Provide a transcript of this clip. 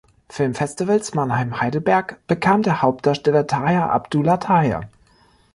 Filmfestivals Mannheim-Heidelberg bekam der Hauptdarsteller Taher Abdullah Taher.